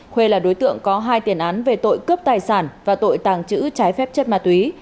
huê là đối tượng có hai tiền án về tội cướp tài sản và tội tàng trữ trái phép chất ma túy